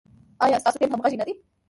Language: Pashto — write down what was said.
ایا ستاسو ټیم همغږی نه دی؟